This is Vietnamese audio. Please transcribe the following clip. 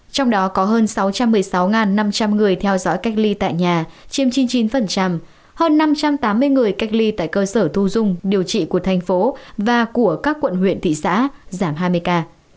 trong đó có hơn sáu trăm một mươi sáu năm trăm linh người theo dõi cách ly tại nhà chiếm chín mươi chín hơn năm trăm tám mươi người cách ly tại cơ sở thu dung điều trị của thành phố và của các quận huyện thị xã giảm hai mươi ca